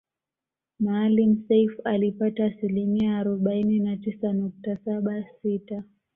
Maalim Seif alipata asilimia arobaini na tisa nukta saba sita